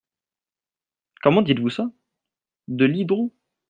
Comment dites-vous ça ? de l’hydro…